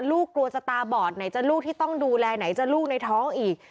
กลัวจะตาบอดไหนจะลูกที่ต้องดูแลไหนจะลูกในท้องอีก